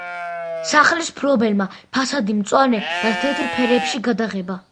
სახლის მფლობელმა ფასადი მწვანე და თეთრ ფერებში გადაღება.